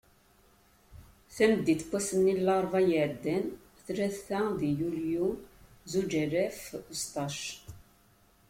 Tameddit n wass-nni n larebɛa i iɛeddan, tlata deg yulyu zuǧ alaf u seεṭac.